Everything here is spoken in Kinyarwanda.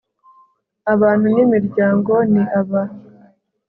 abantu n'imiryango, ni aba